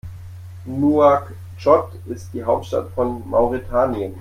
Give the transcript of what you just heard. Nouakchott ist die Hauptstadt von Mauretanien.